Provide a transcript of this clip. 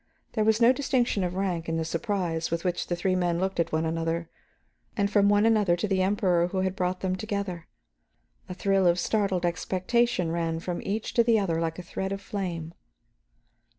There was no distinction of rank in the surprise with which the three men looked at one another, and from one another to the Emperor who had brought them together. A thrill of startled expectation ran from each to the other like a thread of flame.